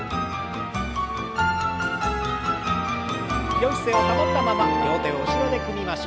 よい姿勢を保ったまま両手を後ろで組みましょう。